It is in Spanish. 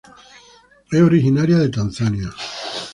Es originaria de Tanzania.